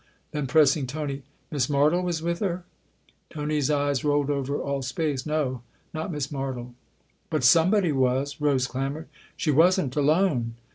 Then pressing Tony :" Miss Martle was with her ?" Tony's eyes rolled over all space. " No not Miss Martle." " But somebody was !" Rose clamoured. " She wasn't alone